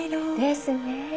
ですよね。